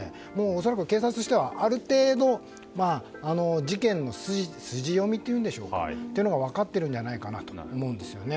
恐らく、警察自体はある程度事件の筋読みというのは分かっているのではないかなと思うんですよね。